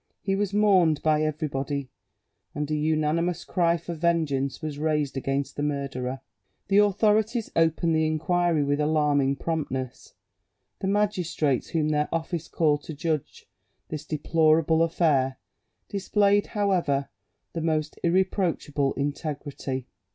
He was mourned by everybody, and a unanimous cry for vengeance was raised against the murderer. The authorities opened the inquiry with alarming promptness. The magistrates whom their office called to judge this deplorable affair displayed, however, the most irreproachable integrity.